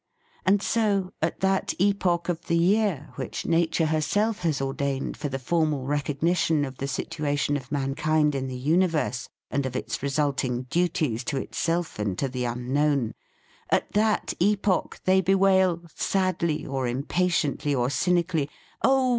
And so, at that epoch of the year which nature herself has ordained for the formal recognition of the situa tion of mankind in the universe and of its resulting duties to itself and to the Unknown — at that epoch, they bewail, sadly or impatiently or cynically: "Oh!